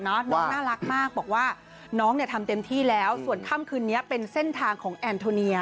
น้องน่ารักมากบอกว่าน้องเนี่ยทำเต็มที่แล้วส่วนค่ำคืนนี้เป็นเส้นทางของแอนโทเนีย